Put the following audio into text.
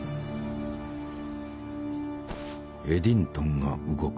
エディントンが動く。